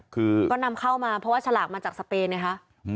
คือก็นำเข้ามาเพราะว่าฉลากมาจากสเปนไงคะ